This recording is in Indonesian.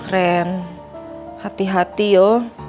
ren hati hati yuk